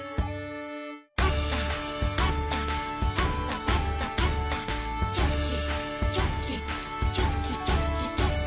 「パタパタパタパタパタ」「チョキチョキチョキチョキチョキ」